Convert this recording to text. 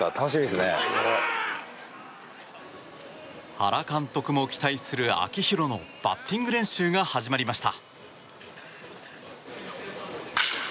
原監督も期待する秋広のバッティング練習が始まりました。